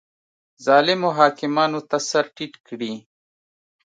ظالمو حاکمانو ته سر ټیټ کړي